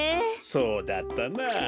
そうだったなあ。